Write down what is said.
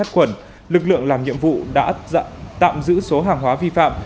quẩn lực lượng làm nhiệm vụ đã tạm giữ số hàng hóa vi phạm